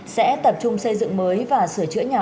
sẽ tập trung xây dựng mới và sửa chữa nhà